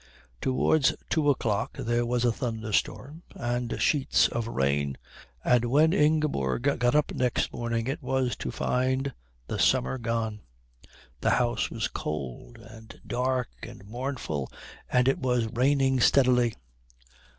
Towards two o'clock there was a thunderstorm and sheets of rain, and when Ingeborg got up next morning it was to find the summer gone. The house was cold and dark and mournful, and it was raining steadily.